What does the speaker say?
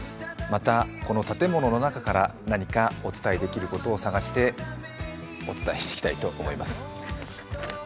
またこの建物の中から何かお伝えできることを探してお伝えしていきたいと思います。